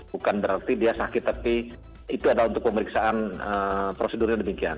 bukan berarti dia sakit tapi itu adalah untuk pemeriksaan prosedurnya demikian